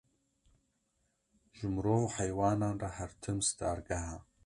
Ji mirov û heywanan re her tim stargeh e